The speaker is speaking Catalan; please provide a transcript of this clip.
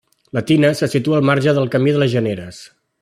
La tina se situa al marge del camí de les Generes.